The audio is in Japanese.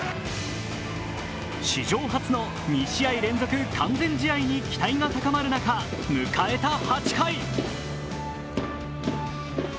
史上初の２試合連続完全試合に期待が高まる中、迎えた８回。